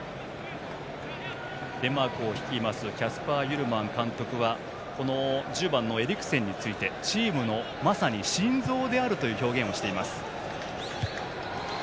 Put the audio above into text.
デンマークを率いますキャスパー・ユルマン監督は１０番のエリクセンについてまさにチームの心臓であるという表現をしています。